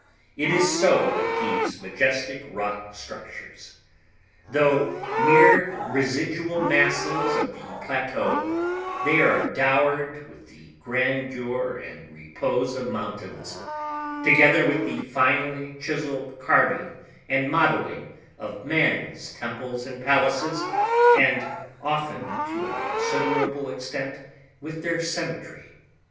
It is so with these majestic rock structures. Though mere residual masses of the plateau, they are dowered with the grandeur and repose of mountains, together with the finely chiseled carving and modeling of man's temples and palaces, and often, to a considerable extent, with their symmetry.